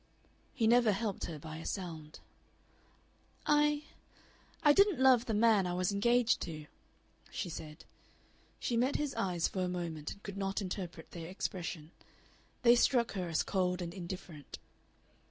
He never helped her by a sound. "I I didn't love the man I was engaged to," she said. She met his eyes for a moment, and could not interpret their expression. They struck her as cold and indifferent.